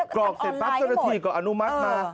กรอกเสร็จปั๊บเจ้าหน้าที่ก็อนุมัติมา